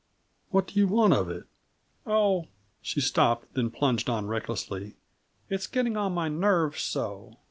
"What do you want of it?" "Oh " she stopped, then plunged on recklessly. "It's getting on my nerves so!